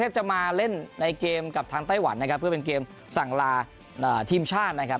จะมาเล่นในเกมกับทางไต้หวันนะครับเพื่อเป็นเกมสั่งลาทีมชาตินะครับ